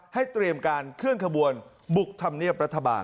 เตรียมการเคลื่อนขบวนบุกธรรมเนียบรัฐบาล